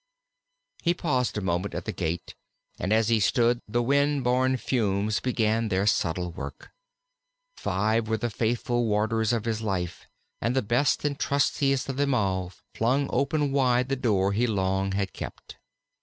_" He paused a moment at the gate, and as he stood the wind borne fumes began their subtle work. Five were the faithful wardens of his life, and the best and trustiest of them all flung open wide the door he long had kept.